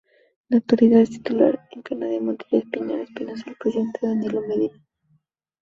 En la actualidad su titular es Cándida Montilla Espinal esposa del presidente Danilo Medina.